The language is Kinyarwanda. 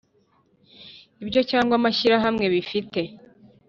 Ibigo cyangwa amashyirahamwe bifite